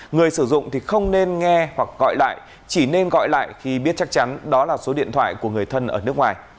người sử dụng thì không nên nghe hoặc gọi lại chỉ nên gọi lại khi biết chắc chắn đó là số điện thoại của người thân ở nước ngoài